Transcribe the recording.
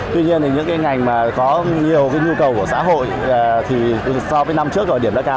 tuy nhiên những ngành có nhiều nhu cầu của xã hội thì so với năm trước và điểm đã cao